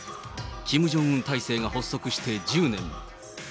キム・ジョンウン体制が発足して１０年。